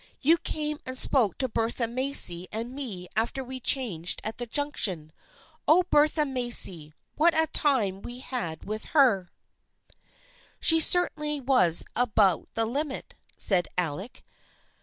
You came and spoke to Bertha Macy and me after we changed at the Junction. Oh, Bertha Macy ! What a time we had with her !" THE FRIENDSHIP OF ANNE 319 " She certainly was about the limit !" said Alec.